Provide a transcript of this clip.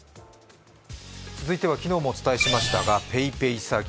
続いては昨日もお伝えしましたが、ＰａｙＰａｙ詐欺。